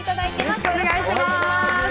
よろしくお願いします。